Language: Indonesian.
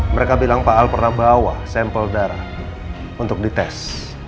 mereka bilang pak al pernah bawa sampel darah untuk dites